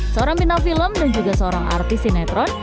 seorang bintang film dan juga seorang artis sinetron